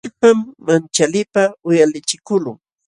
Illpam manchaliypaq uyalichikuqlun.